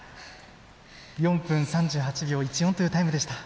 ４分３８秒１４というタイムでした。